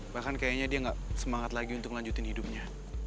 bahkan kayaknya dia gak semangat lagi untuk ngelanjutin hidupnya